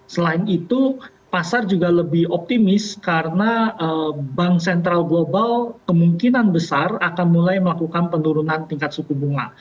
selain itu pasar juga lebih optimis karena bank sentral global kemungkinan besar akan mulai melakukan penurunan tingkat suku bunga